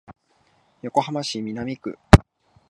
横浜市南区